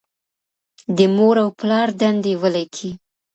د مور او پلار دندې ولیکئ.